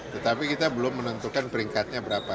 tetapi kita belum menentukan peringkatnya berapa